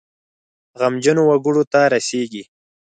غمجنو وګړو ته رسیږي.